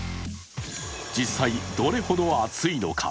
実際、どれほど熱いのか。